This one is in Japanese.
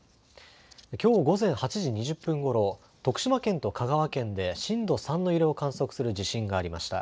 きょう午前８時２０分ごろ、徳島県と香川県で震度３の揺れを観測する地震がありました。